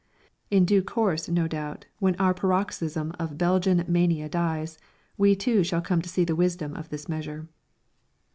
In due course, no doubt, when our paroxysm of Belgian mania dies, we too shall come to see the wisdom of this measure.